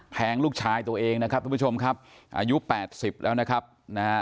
แทงลูกชายตัวเองนะครับทุกผู้ชมครับอายุแปดสิบแล้วนะครับนะฮะ